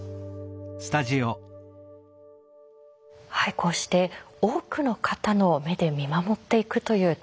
こうして多くの方の目で見守っていくという取り組み